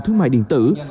thương mại điện tử